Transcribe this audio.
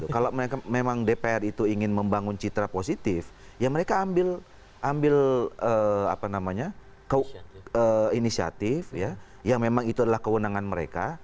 kalau memang dpr itu ingin membangun citra positif ya mereka ambil inisiatif yang memang itu adalah kewenangan mereka